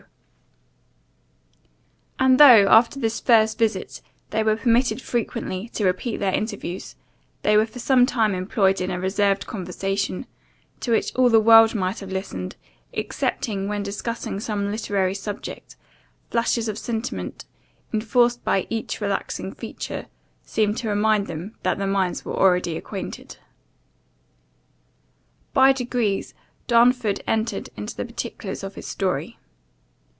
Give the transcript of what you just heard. [Godwin's note] [And though, after this first visit, they were permitted frequently to repeat their interviews, they were for some time employed in] a reserved conversation, to which all the world might have listened; excepting, when discussing some literary subject, flashes of sentiment, inforced by each relaxing feature, seemed to remind them that their minds were already acquainted. [By degrees, Darnford entered into the particulars of his story.